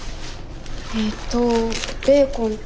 えっとベーコンと。